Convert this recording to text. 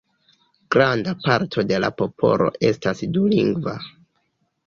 Granda parto de la popolo estas dulingva.